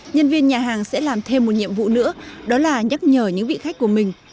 nhân viên nhà hàng sẽ làm thêm một nhiệm vụ nữa đó là nhắc nhở những vị khách của mình